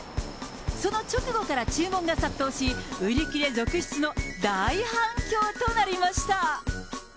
その直後から注文が殺到し、売り切れ続出の大反響となりました。